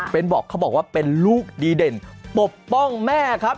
เป็นบอกเขาบอกว่าเป็นลูกดีเด่นปกป้องแม่ครับ